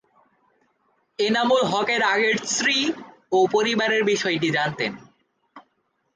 এনামুল হকের আগের স্ত্রী ও পরিবার বিষয়টি জানতেন।